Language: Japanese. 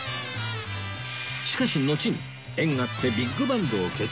しかしのちに縁あってビッグバンドを結成